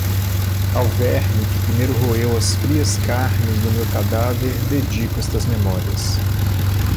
Ao verme que primeiro roeu as frias carnes do meu cadáver dedico estas Memórias